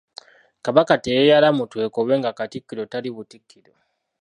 Kabaka teyeyala mu twekobe nga Katikkiro tali butikkiro.